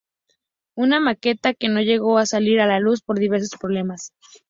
Una maqueta que no llegó a salir a la luz por diversos problemas.